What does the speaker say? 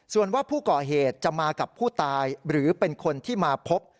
ส่วนว่าผู้ก่อเหตุจะมากับผู้ตายหรือเป็นคนที่มาพบ